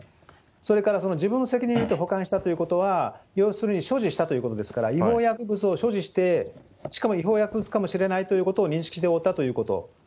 それから自分の責任において保管したということは、要するに所持したということですから、違法薬物を所持して、しかも違法薬物かもしれないということを認識しておったということ。